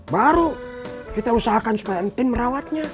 baru kita usahakan supaya entin merawatnya